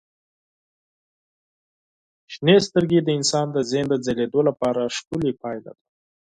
شنې سترګې د انسان د ذهن د ځلېدو لپاره ښکلي پایله ده.